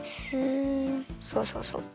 そうそうそう。